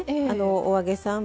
お揚げさん